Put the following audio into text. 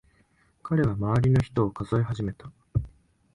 彼は周りの人を数え始めた。